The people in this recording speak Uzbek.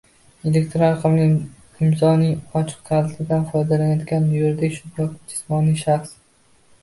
elektron raqamli imzoning ochiq kalitidan foydalanayotgan yuridik yoki jismoniy shaxs